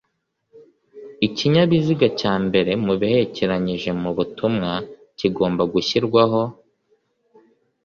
ikinyabiziga cya mbere mu biherekeranyije mu butumwa kigomba gushyirwaho